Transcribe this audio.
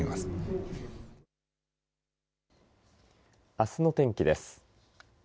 あすの天気です。